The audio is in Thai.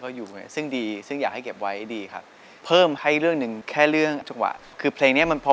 คงจ่างกันเองแล้ว